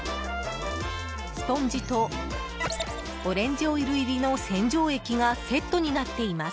スポンジとオレンジオイル入りの洗浄液がセットになっています。